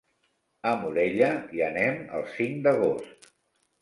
A Morella hi anem el cinc d'agost.